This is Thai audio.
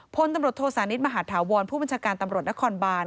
พลตำรวจโทษานิทมหาธาวรผู้บัญชาการตำรวจนครบาน